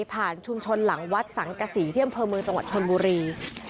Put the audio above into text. ชุมชนหลังวัดสังกษีที่อำเภอเมืองจังหวัดชนบุรี